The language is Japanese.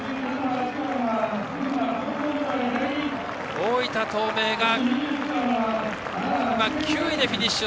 大分東明が９位でフィニッシュ。